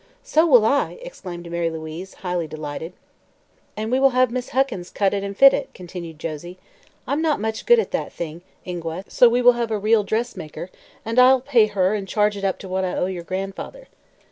"So will I!" exclaimed Mary Louise, highly delighted. "And we will have Miss Huckins cut and fit it," continued Josie. "I'm not much good at that thing, Ingua, so we will have a real dressmaker and I'll pay her and charge it up to what I owe your grandfather."